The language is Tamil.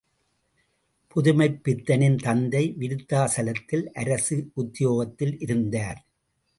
புதுமைப்பித்தனின் தந்தை விருத்தாச்சலத்தில் அரசு உத்தியோகத்தில் இருந்தார்.